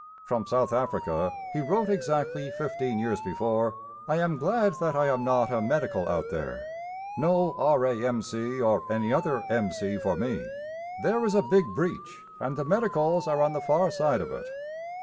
From South Africa he wrote exactly fifteen years before: "I am glad that I am not 'a medical' out here. No 'R.A.M.C.' or any other 'M.C.' for me. There is a big breach, and the medicals are on the far side of it."